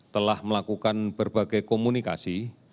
telah melakukan berbagai komunikasi